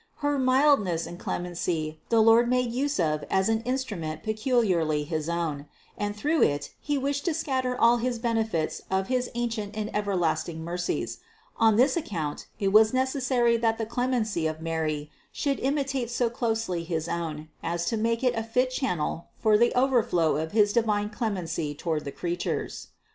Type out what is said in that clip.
Her mildness and clemency the Lord made use of as/ an instrument peculiarly his own, and through it He wished to scatter all his benefits of his ancient and everlasting mercies; on this account it was necessary that the clemency of Mary should imitate so closely his own as to make it a fit channel for the over flow of his divine clemency toward the creatures.